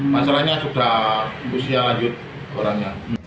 masalahnya sudah usia lanjut orangnya